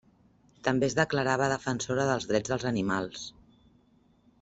També es declarava defensora dels drets dels animals.